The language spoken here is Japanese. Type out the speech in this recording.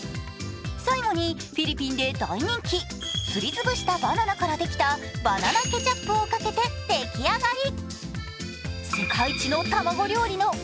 最後にフィリピンで大人気、すりつぶしたバナナからできたバナナケチャップをかけて出来上がり。